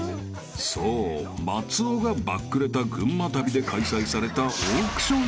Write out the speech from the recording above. ［そう松尾がバックレた群馬旅で開催された］